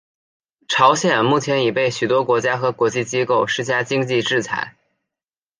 朝鲜目前已被许多国家和国际机构施加经济制裁。